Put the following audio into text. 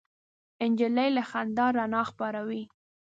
نجلۍ له خندا رڼا خپروي.